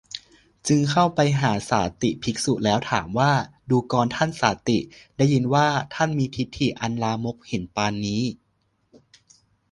จึงเข้าไปหาสาติภิกษุแล้ว ถามว่า ดูกรท่านสาติ ได้ยินว่า ท่านมีทิฏฐิอันลามกเห็นปานนี้